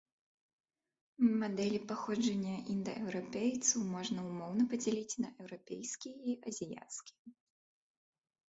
Мадэлі паходжання індаеўрапейцаў можна ўмоўна падзяліць на еўрапейскія і азіяцкія.